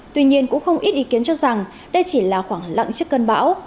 tuy nhiên cũng không ít ý kiến cho rằng đây chỉ là khoảng lặng chức cân bão